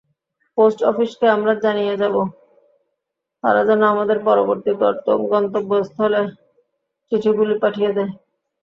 Post অফিসকে আমরা জানিয়ে যাব, তারা যেন আমাদের পরবর্তী গন্তব্যস্থলে চিঠিগুলি পাঠিয়ে দেয়।